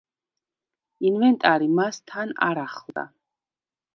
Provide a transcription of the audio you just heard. ინვენტარი მას თან არ ახლდა.